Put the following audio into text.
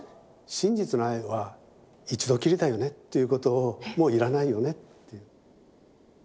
真実の愛は一度きりだよねっていうことをもう要らないよねっていう。